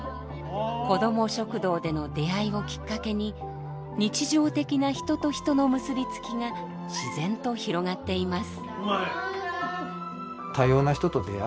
こども食堂での出会いをきっかけに日常的な人と人の結び付きが自然と広がっています。